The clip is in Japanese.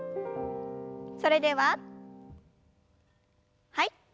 それでははい。